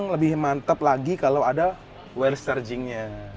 lebih mantep lagi kalo ada well searchingnya